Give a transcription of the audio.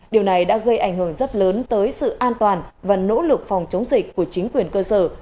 điều này đã gây ảnh hưởng rất lớn tới sự an toàn và nỗ lực phòng chống dịch của chính quyền cơ sở